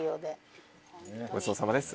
ごちそうさまです